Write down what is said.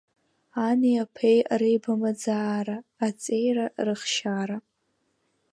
Ани аԥеи реибамааӡара, аҵеира рыхшьаара…